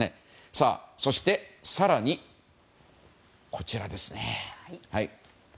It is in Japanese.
さあ、そして更にこちらですね。